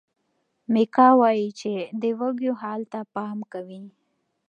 میکا وایي چې د وږیو حال ته پام کوي.